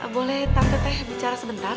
boleh tante teh bicara sebentar